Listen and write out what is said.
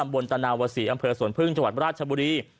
บนตนาวศรีอำเภอสวนพึ่งจังหวัดราชบุรี